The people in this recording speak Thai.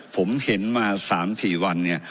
ผมเห็นมา๓๔วันเนี่ย